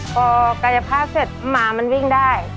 พอกายภาพเสร็จหมามันวิ่งได้